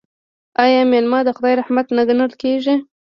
آیا میلمه د خدای رحمت نه ګڼل کیږي؟